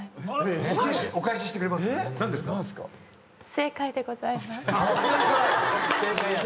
正解でございます。